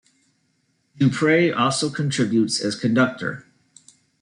Du Prez also contributes as conductor.